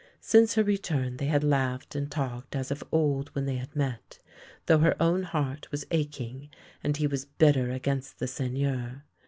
Since her return they had laughed and talked as of old when they had met, though her own heart was ach ing, and he was bitter against the Seigneur.